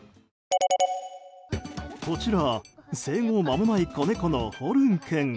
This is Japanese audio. こちら、生後まもない子猫のホルン君。